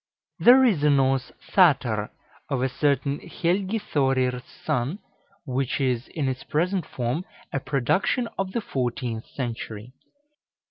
There is a Norse Tháttr of a certain Helgi Thorir's son, which is, in its present form, a production of the fourteenth century.